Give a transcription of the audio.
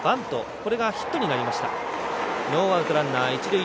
これがヒットになりました。